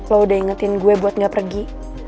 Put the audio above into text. lo udah ingetin gue buat gak pergi